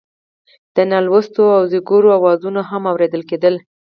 د نالښتونو او زګيرويو آوازونه هم اورېدل کېدل.